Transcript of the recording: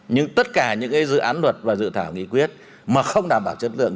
nhưng tất cả những dự án luật và dự thảo nghị quyết mà không đảm bảo chất lượng